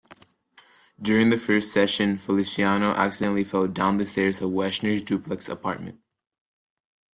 During the first session, Feliciano accidentally fell down the stairs of Weshner's duplex apartment.